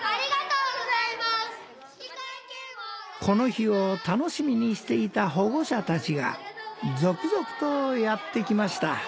この日を楽しみにしていた保護者たちが続々とやって来ました。